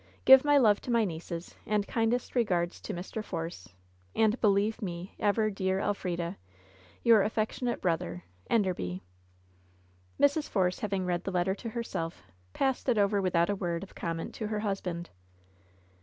"Give my love to my nieces, and kindest r^ards ion If r. Force, and believe me, ever, dear Elf rida, *'Your affectionate brother, "Endbbby.'* Mrs. Force having read the letter to herself, passed it over without a word of comment to her husband.